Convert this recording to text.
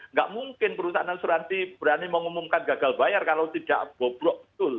nggak mungkin perusahaan asuransi berani mengumumkan gagal bayar kalau tidak boblok betul